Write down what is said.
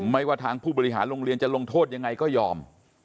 ไม่ว่าทางผู้บริหารโรงเรียนจะลงโทษยังไงก็ยอม